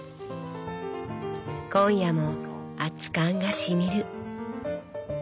今夜も熱燗がしみる。